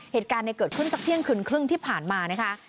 เหตุการณ์เกิดขึ้นสักเที่ยงคืนครึ่งที่ผ่านมานะคะ